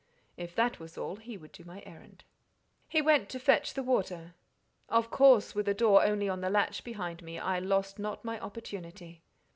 "If that was all, he would do my errand." He went to fetch the water. Of course, with a door only on the latch behind me, I lost not my opportunity.